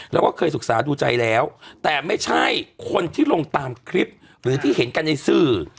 แล้วก็เคยศึกษาดูใจแล้วแต่ไม่ใช่คนที่ลงตามคลิปหรือที่เห็นกันในสื่อ